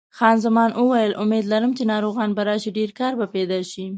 خان زمان وویل: امید لرم چې ناروغان به راشي، ډېر کار به پیدا شي.